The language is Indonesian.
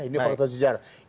ini fakta sejarah